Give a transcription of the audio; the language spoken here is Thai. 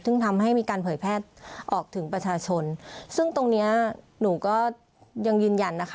ซึ่งทำให้มีการเผยแพร่ออกถึงประชาชนซึ่งตรงเนี้ยหนูก็ยังยืนยันนะคะ